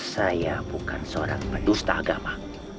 saya bukan seorang pendusta agama